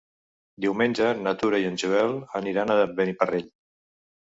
Diumenge na Tura i en Joel aniran a Beniparrell.